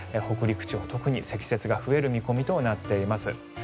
北陸地方、特に積雪が増える見込みとなっています。